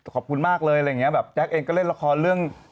ขอบคุณมากเลยแบบแจ๊คเองก็เล่นละครเรื่อง